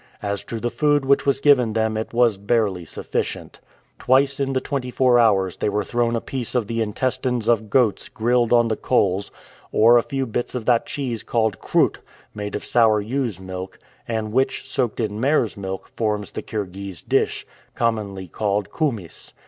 As to the food which was given them it was barely sufficient. Twice in the twenty four hours they were thrown a piece of the intestines of goats grilled on the coals, or a few bits of that cheese called "kroute," made of sour ewe's milk, and which, soaked in mare's milk, forms the Kirghiz dish, commonly called "koumyss."